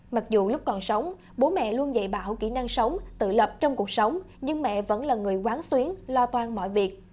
mặc dù lúc còn sống bố mẹ luôn dạy bảo kỹ năng sống tự lập trong cuộc sống nhưng mẹ vẫn là người quán xuyến lo toan mọi việc